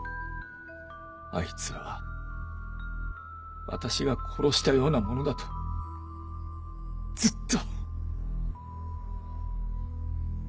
あいつは私が殺したようなものだとずっと。